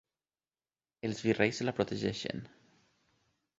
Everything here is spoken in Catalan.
Els virreis la protegeixen.